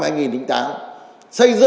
xây dựng hai cái bộ